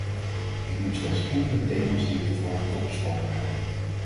Ik noem slechts enkele thema's die op de vorige top besproken werden.